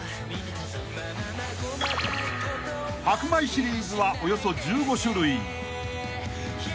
［白米シリーズはおよそ１５種類］